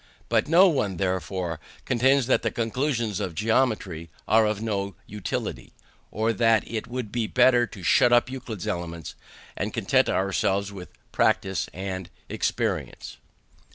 But no one, therefore, contends that the conclusions of geometry are of no utility, or that it would be better to shut up Euclid's Elements, and content ourselves with "practice" and "experience."